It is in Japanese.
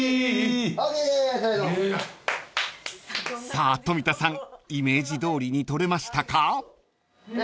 ［さあ富田さんイメージどおりに撮れましたか？］